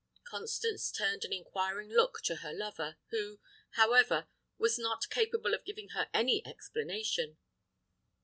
Constance turned an inquiring look to her lover, who, however, was not capable of giving her any explanation.